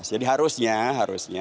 jadi harusnya harusnya